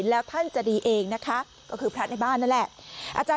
แล้วท่านจะดีเองนะคะก็คือพระในบ้านนั่นแหละ